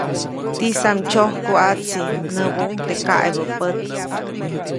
¡Tisam ndsyoku ʼatsi! näbuʼuŋ teʼ kaʼebä pät.